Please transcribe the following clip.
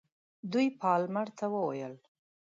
دوی پالمر ته وویل.